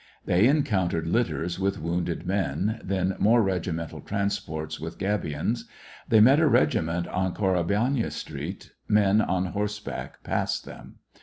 They encountered litters with wounded men, then more regimental transports with gabions; they met a regiment on Korabelnaya street ; men on horseback passed them.